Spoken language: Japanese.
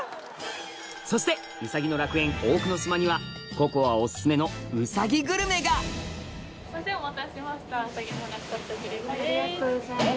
そしてうさぎの楽園大久野島にはここあオススメのうさぎグルメがありがとうございます。